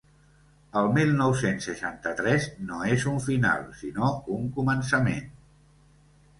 El mil nou-cents seixanta-tres no és un final, sinó un començament.